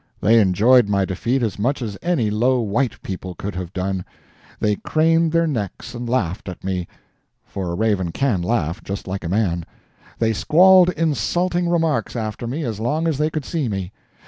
They enjoyed my defeat as much as any low white people could have done. They craned their necks and laughed at me (for a raven CAN laugh, just like a man), they squalled insulting remarks after me as long as they could see me.